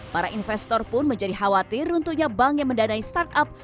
para investor pun menjadi khawatir runtuhnya bank yang mendanai startup